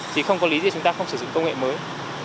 chỉ không có lý gì chúng ta không sử dụng công nghệ mới